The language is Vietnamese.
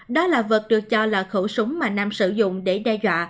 đó là vật được cho là khẩu súng mà nam sử dụng để đe dọa